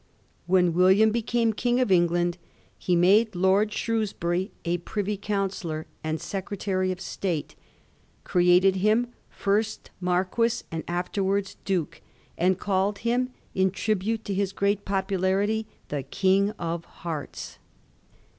When William became King of England he made Lord Shrewsbury a Privy Councillor and Secretary of State, created him first Marquis and afterwards Duke, and called him, in tribute to his great popularity, the King of Hearts.